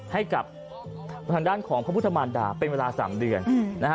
ให้กับทางด้านของพระพุทธมารดาเป็นเวลา๓เดือนนะฮะ